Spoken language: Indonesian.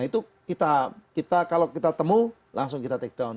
itu kalau kita temu langsung kita take down